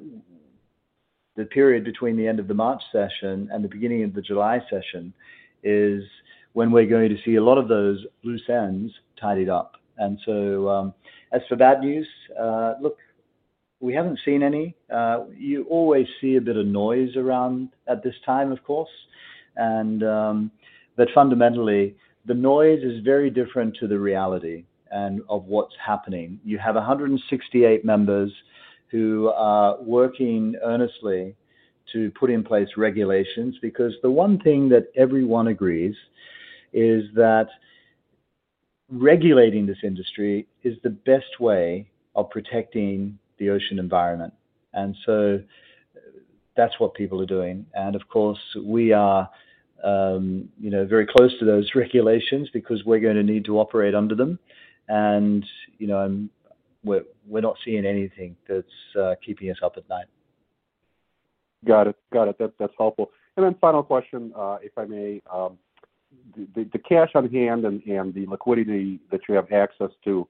the period between the end of the March session and the beginning of the July session is when we're going to see a lot of those loose ends tidied up. And so, as for bad news, look, we haven't seen any. You always see a bit of noise around at this time, of course, and, but fundamentally, the noise is very different to the reality and of what's happening. You have 168 members who are working earnestly to put in place regulations, because the one thing that everyone agrees is that regulating this industry is the best way of protecting the ocean environment. That's what people are doing. And of course, we are, you know, very close to those regulations because we're gonna need to operate under them. And, you know, we're, we're not seeing anything that's keeping us up at night. Got it. That, that's helpful. And then final question, if I may. The cash on hand and the liquidity that you have access to,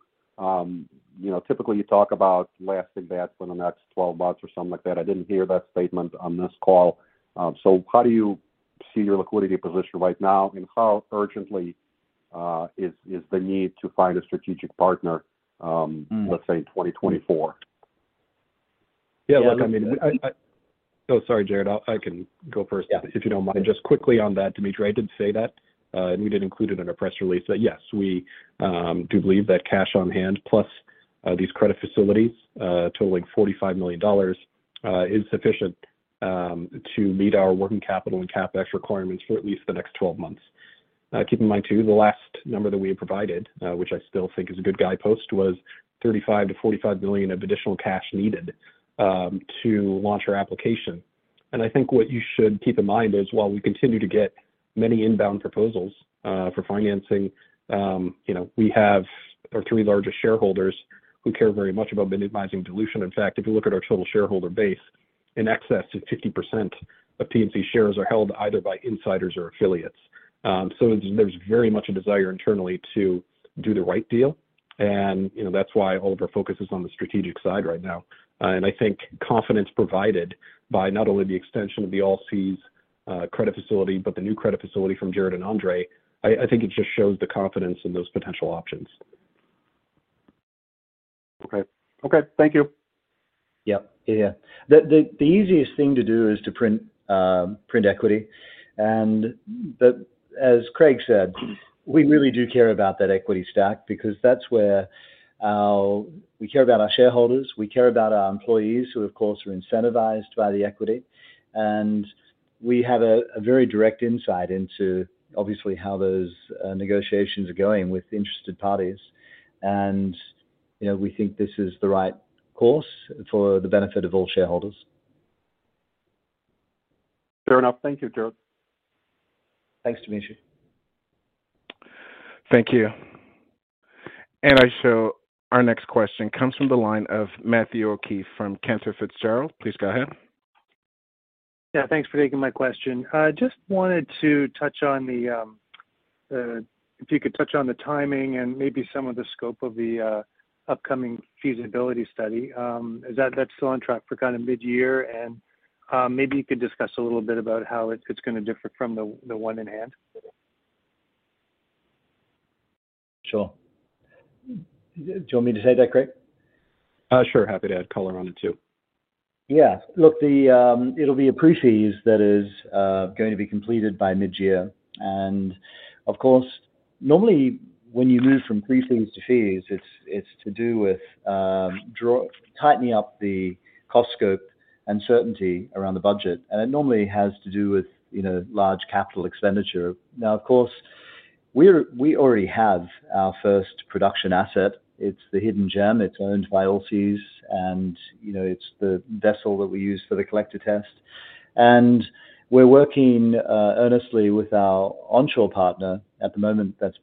you know, typically, you talk about lasting that for the next 12 months or something like that. I didn't hear that statement on this call. So how do you see your liquidity position right now, and how urgently is the need to find a strategic partner? let's say, in 2024? Yeah, look, I mean... Oh, sorry, Gerard, I can go first. Yeah. If you don't mind. Just quickly on that, Dmitry, I did say that, and we did include it in our press release, that yes, we do believe that cash on hand, plus, these credit facilities, totaling $45 million, is sufficient, to meet our working capital and CapEx requirements for at least the next 12 months. Keep in mind too, the last number that we had provided, which I still think is a good guidepost, was $35 million-$45 million of additional cash needed, to launch our application. And I think what you should keep in mind is, while we continue to get many inbound proposals, for financing, you know, we have our three largest shareholders who care very much about minimizing dilution. In fact, if you look at our total shareholder base, in excess of 50% of TMC shares are held either by insiders or affiliates. So there's very much a desire internally to do the right deal, and, you know, that's why all of our focus is on the strategic side right now. And I think confidence provided by not only the extension of the Allseas credit facility, but the new credit facility from Gerard and Andrei, I think it just shows the confidence in those potential options. Okay. Okay, thank you. Yep. Yeah. The easiest thing to do is to print equity, but as Craig said, we really do care about that equity stack because that's where our... We care about our shareholders, we care about our employees, who, of course, are incentivized by the equity. And we have a very direct insight into, obviously, how those negotiations are going with interested parties. And, you know, we think this is the right course for the benefit of all shareholders. Fair enough. Thank you, Gerard. Thanks, Dmitry. Thank you. And I show our next question comes from the line of Matthew O'Keefe from Cantor Fitzgerald. Please go ahead. Yeah, thanks for taking my question. I just wanted to touch on the, if you could touch on the timing and maybe some of the scope of the, upcoming feasibility study. Is that, that's still on track for kind of midyear? And, maybe you could discuss a little bit about how it's, it's gonna differ from the, the one in hand. Sure. Do you want me to take that, Craig? Sure. Happy to add color on it, too. Yeah. Look, it'll be a pre-feas that is going to be completed by midyear. And of course, normally, when you move from pre-feas to feas, it's to do with tightening up the cost scope and certainty around the budget, and it normally has to do with, you know, large capital expenditure. Now, of course, we already have our first production asset. It's the Hidden Gem. It's owned by Allseas, and, you know, it's the vessel that we use for the collector test. And we're working earnestly with our onshore partner. At the moment, that's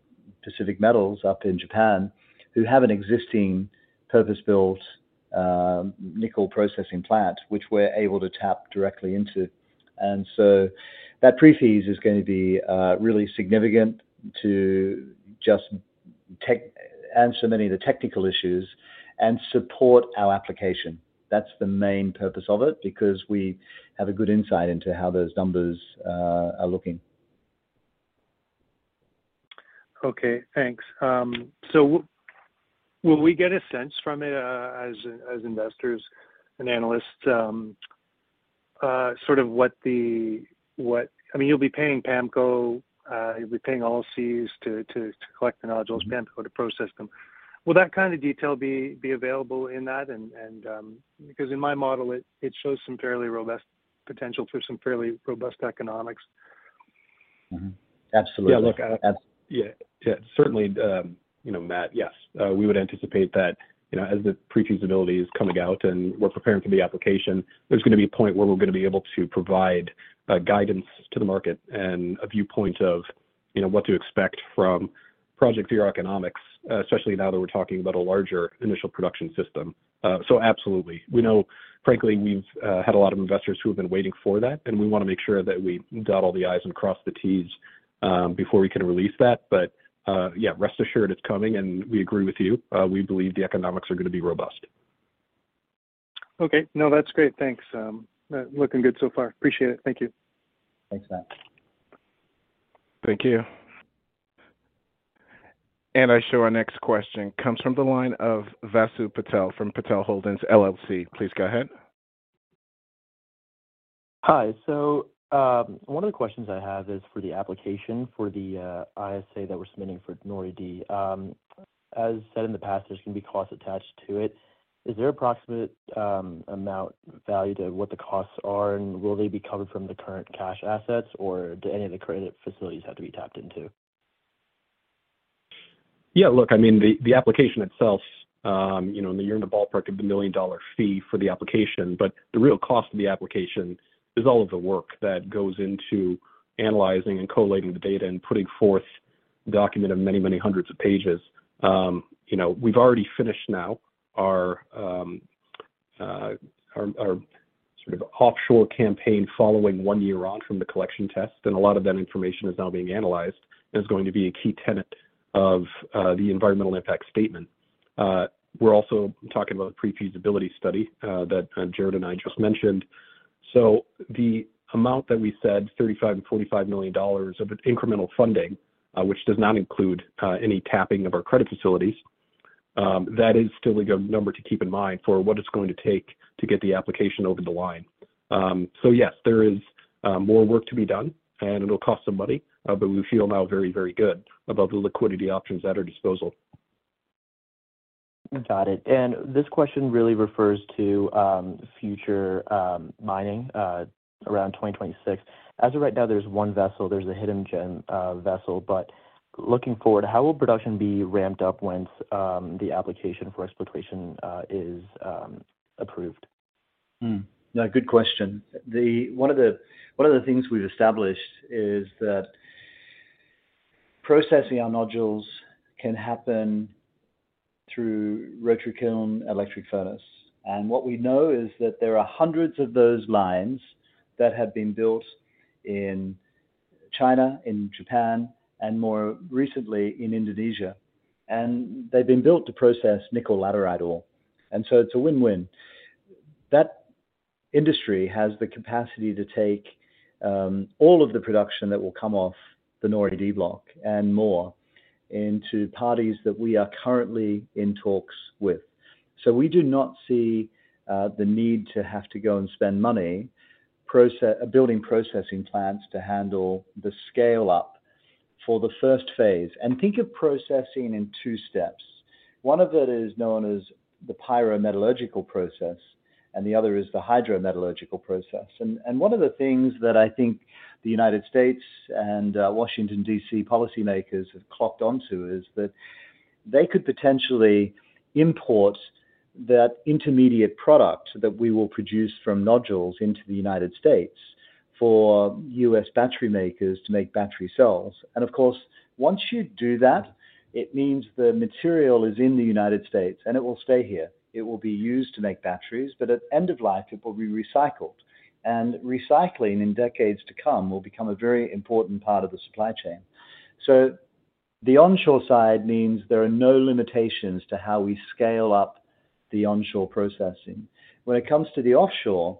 Pacific Metals up in Japan, who have an existing purpose-built nickel processing plant, which we're able to tap directly into. And so that pre-feas is gonna be really significant to just answer many of the technical issues and support our application. That's the main purpose of it, because we have a good insight into how those numbers are looking. Okay, thanks. So will we get a sense from it as investors and analysts, sort of what... I mean, you'll be paying PAMCO, you'll be paying Allseas to collect the nodules PAMCO to process them. Will that kind of detail be available in that? And, because in my model, it shows some fairly robust potential for some fairly robust economics? Absolutely. Yeah, look, Ab- Yeah, yeah. Certainly, you know, Matt, yes, we would anticipate that, you know, as the pre-feasibility is coming out and we're preparing for the application, there's gonna be a point where we're gonna be able to provide guidance to the market and a viewpoint of, you know, what to expect from project economics, especially now that we're talking about a larger initial production system. So absolutely. We know, frankly, we've had a lot of investors who have been waiting for that, and we wanna make sure that we dot all the Is and cross the Ts before we can release that. But yeah, rest assured it's coming, and we agree with you, we believe the economics are gonna be robust. Okay. No, that's great. Thanks, looking good so far. Appreciate it. Thank you. Thanks, Matt. Thank you. And I show our next question comes from the line of Vasu Patel from Patel Holdings LLC. Please go ahead. Hi. So, one of the questions I have is for the application for the, ISA that we're submitting for NORI-D. As said in the past, there's gonna be costs attached to it. Is there an approximate, amount value to what the costs are, and will they be covered from the current cash assets, or do any of the credit facilities have to be tapped into? Yeah, look, I mean, the application itself, you know, you're in the ballpark of the million-dollar fee for the application, but the real cost of the application is all of the work that goes into analyzing and collating the data and putting forth a document of many, many hundreds of pages. You know, we've already finished now our sort of offshore campaign following one year on from the collection test, and a lot of that information is now being analyzed, and it's going to be a key tenet of the Environmental Impact Statement. We're also talking about Pre-feasibility Study that Gerard and I just mentioned. So the amount that we said, $35-45 million of incremental funding, which does not include, any tapping of our credit facilities, that is still a good number to keep in mind for what it's going to take to get the application over the line. So yes, there is, more work to be done, and it'll cost some money, but we feel now very, very good about the liquidity options at our disposal. Got it. And this question really refers to future mining around 2026. As of right now, there's one vessel, there's a Hidden Gem vessel, but looking forward, how will production be ramped up once the application for exploitation is approved? Hmm. Yeah, good question. The one of the, one of the things we've established is that processing our nodules can happen through Rotary Kiln Electric Furnace. And what we know is that there are hundreds of those lines that have been built in China, in Japan, and more recently in Indonesia, and they've been built to process nickel laterite ore, and so it's a win-win. That industry has the capacity to take all of the production that will come off the NORI-D and more into parties that we are currently in talks with. So we do not see the need to have to go and spend money building processing plants to handle the scale-up for the first phase. And think of processing in two steps. One of it is known as the pyrometallurgical process, and the other is the hydrometallurgical process. One of the things that I think the United States and Washington, D.C., policymakers have clocked onto is that they could potentially import that intermediate product that we will produce from nodules into the United States for U.S. battery makers to make battery cells. And of course, once you do that, it means the material is in the United States, and it will stay here. It will be used to make batteries, but at end of life, it will be recycled. And recycling, in decades to come, will become a very important part of the supply chain. So the onshore side means there are no limitations to how we scale up the onshore processing. When it comes to the offshore,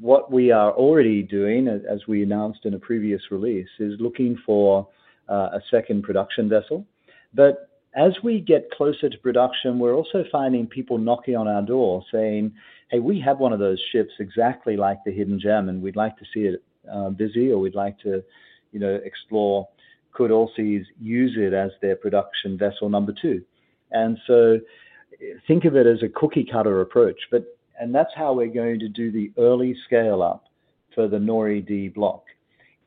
what we are already doing, as we announced in a previous release, is looking for a second production vessel. But as we get closer to production, we're also finding people knocking on our door saying, "Hey, we have 1 of those ships exactly like the Hidden Gem, and we'd like to see it busy, or we'd like to, you know, explore," could also use it as their production vessel number 2. And so think of it as a cookie-cutter approach, but... And that's how we're going to do the early scale-up for the NORI-D Block.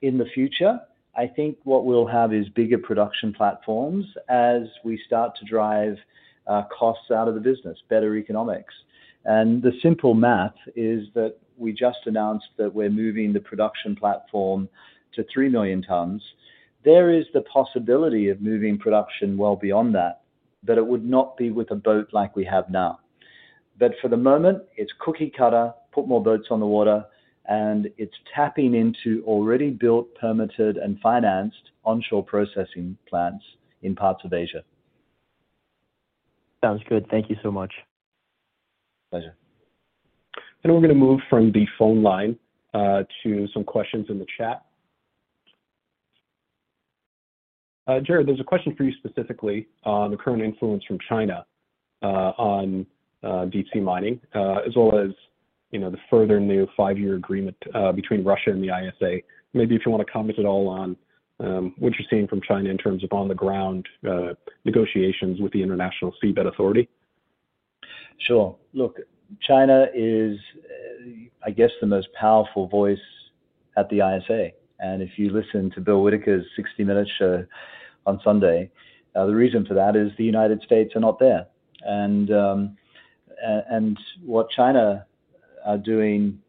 In the future, I think what we'll have is bigger production platforms as we start to drive costs out of the business, better economics. And the simple math is that we just announced that we're moving the production platform to 3 million tons. There is the possibility of moving production well beyond that, but it would not be with a boat like we have now. But for the moment, it's cookie-cutter, put more boats on the water, and it's tapping into already built, permitted, and financed onshore processing plants in parts of Asia. Sounds good. Thank you so much. Pleasure. And we're gonna move from the phone line to some questions in the chat. Gerard, there's a question for you specifically on the current influence from China on deep sea mining, as well as, you know, the further new five-year agreement between Russia and the ISA. Maybe if you wanna comment at all on what you're seeing from China in terms of on-the-ground negotiations with the International Seabed Authority. Sure. Look, China is, I guess, the most powerful voice at the ISA, and if you listen to Bill Whitaker's 60 Minutes show on Sunday, the reason for that is the United States are not there. And what China are doing,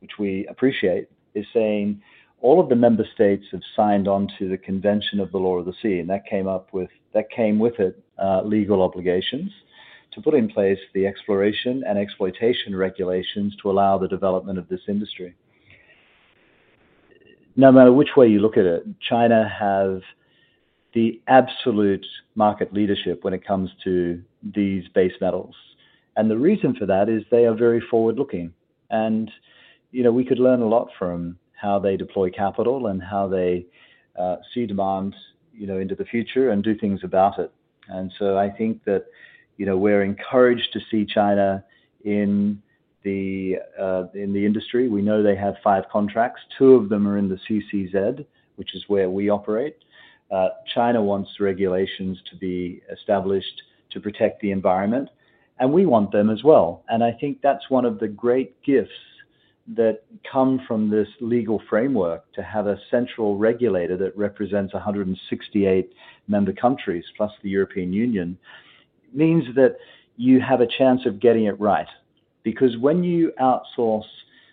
which we appreciate, is saying all of the member states have signed on to the Convention of the Law of the Sea, and that came with it, legal obligations to put in place the exploration and exploitation regulations to allow the development of this industry. No matter which way you look at it, China have the absolute market leadership when it comes to these base metals, and the reason for that is they are very forward-looking. And, you know, we could learn a lot from how they deploy capital and how they see demand, you know, into the future and do things about it. And so I think that, you know, we're encouraged to see China in the industry. We know they have 5 contracts. 2 of them are in the CCZ, which is where we operate. China wants regulations to be established to protect the environment, and we want them as well, and I think that's one of the great gifts that come from this legal framework to have a central regulator that represents 168 member countries, plus the European Union, means that you have a chance of getting it right. Because when you outsource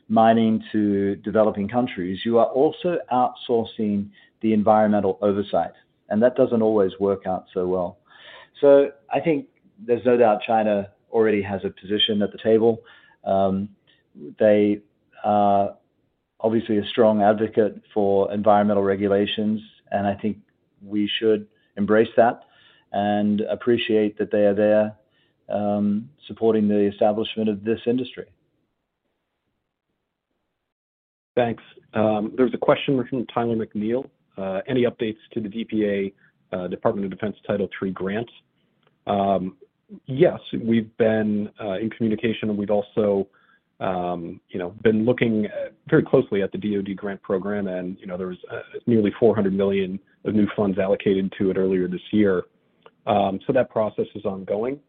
mining to developing countries, you are also outsourcing the environmental oversight, and that doesn't always work out so well. So I think there's no doubt China already has a position at the table. They are obviously a strong advocate for environmental regulations, and I think we should embrace that and appreciate that they are there, supporting the establishment of this industry. Thanks. There's a question from Tyler McNeil. Any updates to the DPA, Department of Defense Title III grant? Yes, we've been in communication, and we've also, you know, been looking very closely at the DOD grant program. And, you know, there was nearly $400 million of new funds allocated to it earlier this year. So that process is ongoing.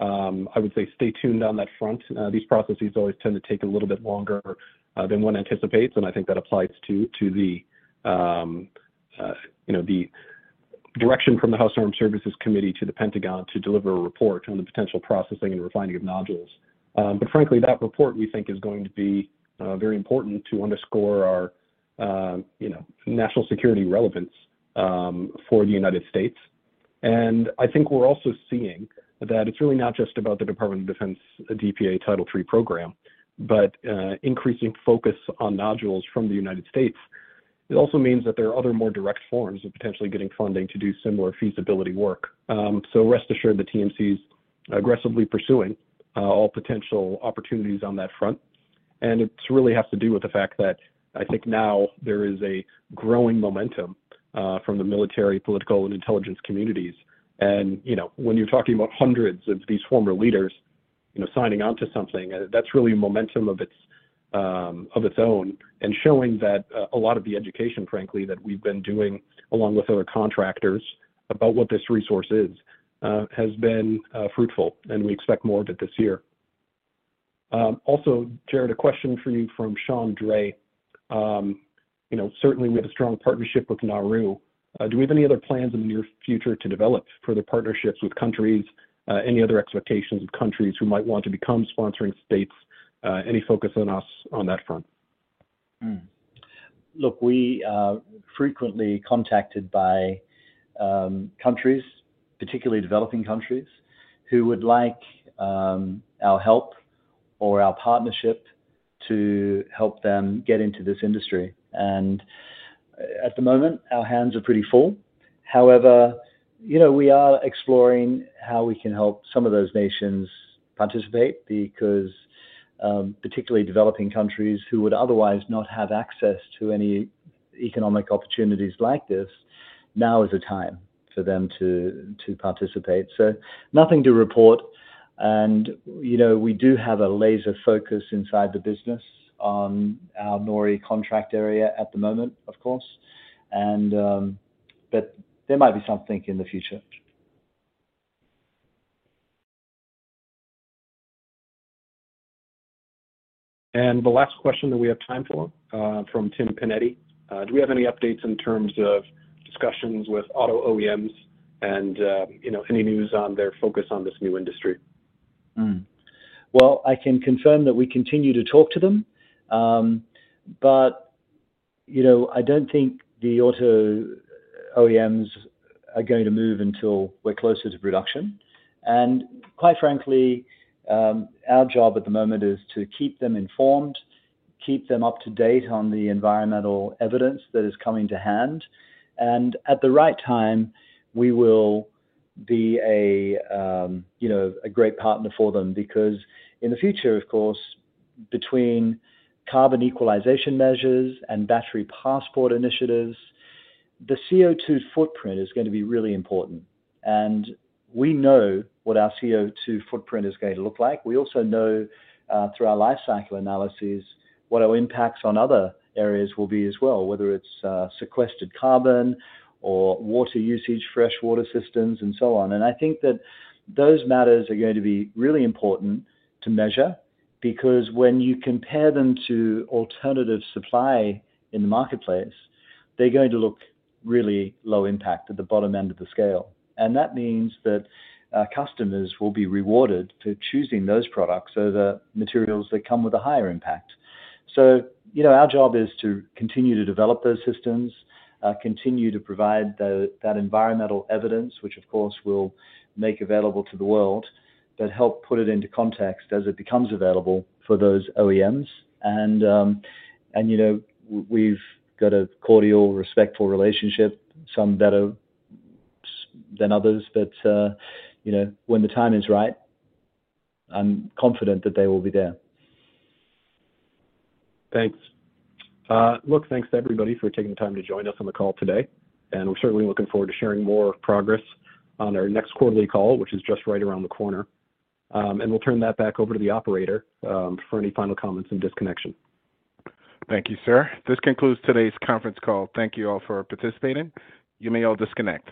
I would say stay tuned on that front. These processes always tend to take a little bit longer than one anticipates, and I think that applies to the direction from the House Armed Services Committee to the Pentagon to deliver a report on the potential processing and refining of nodules. But frankly, that report, we think, is going to be very important to underscore our, you know, national security relevance for the United States. And I think we're also seeing that it's really not just about the Department of Defense, DPA Title III program, but increasing focus on nodules from the United States. It also means that there are other more direct forms of potentially getting funding to do similar feasibility work. So rest assured that TMC is aggressively pursuing all potential opportunities on that front, and it really has to do with the fact that I think now there is a growing momentum from the military, political, and intelligence communities. You know, when you're talking about hundreds of these former leaders, you know, signing on to something, that's really a momentum of its own, and showing that, a lot of the education, frankly, that we've been doing along with other contractors about what this resource is, has been, fruitful, and we expect more of it this year. Also, Gerard, a question for you from Sean Dray. You know, certainly we have a strong partnership with Nauru. Do we have any other plans in the near future to develop further partnerships with countries? Any other expectations of countries who might want to become sponsoring states? Any focus on us on that front? Look, we are frequently contacted by countries, particularly developing countries, who would like our help or our partnership to help them get into this industry. At the moment, our hands are pretty full. However, you know, we are exploring how we can help some of those nations participate because, particularly developing countries who would otherwise not have access to any economic opportunities like this, now is the time for them to participate. So nothing to report. You know, we do have a laser focus inside the business on our NORI contract area at the moment, of course, and but there might be something in the future. The last question that we have time for, from Tim Panetti. Do we have any updates in terms of discussions with auto OEMs and, you know, any news on their focus on this new industry? Well, I can confirm that we continue to talk to them. But, you know, I don't think the auto OEMs are going to move until we're closer to production. And quite frankly, our job at the moment is to keep them informed, keep them up to date on the environmental evidence that is coming to hand, and at the right time, we will be a, you know, a great partner for them. Because in the future, of course, between carbon equalization measures and battery passport initiatives, the CO2 footprint is going to be really important, and we know what our CO2 footprint is going to look like. We also know, through our life cycle analysis, what our impacts on other areas will be as well, whether it's, sequestered carbon or water usage, freshwater systems, and so on. And I think that those matters are going to be really important to measure, because when you compare them to alternative supply in the marketplace, they're going to look really low impact at the bottom end of the scale. And that means that our customers will be rewarded for choosing those products over materials that come with a higher impact. So, you know, our job is to continue to develop those systems, continue to provide the, that environmental evidence, which of course, we'll make available to the world, but help put it into context as it becomes available for those OEMs. And, and, you know, we've got a cordial, respectful relationship, some better than others. But, you know, when the time is right, I'm confident that they will be there. Thanks. Look, thanks to everybody for taking the time to join us on the call today, and we're certainly looking forward to sharing more progress on our next quarterly call, which is just right around the corner. And we'll turn that back over to the operator, for any final comments and disconnection. Thank you, sir. This concludes today's conference call. Thank you all for participating. You may all disconnect.